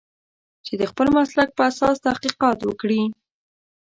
چې د خپل مسلک په اساس تحقیقات وکړي.